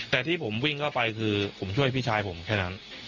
แต่ที่ผมวิ่งเข้าไปคือผมช่วยพี่ชายผมแค่นั้น